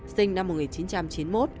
sinh năm một nghìn chín trăm chín mươi một